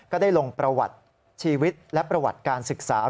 ได้ลงประวัติชีวิตและประวัติการศึกษา